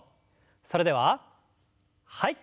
それでははい。